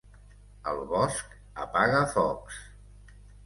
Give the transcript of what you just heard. El bosc apaga focs.